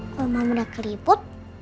kalau mama udah keriput